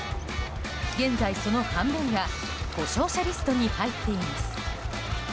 現在、その半分が故障者リストに入っています。